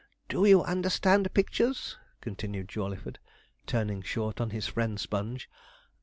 Do you understand pictures?' continued Jawleyford, turning short on his friend Sponge.